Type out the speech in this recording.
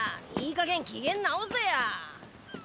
かげん機嫌直せや。